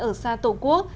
ở xa tổ quốc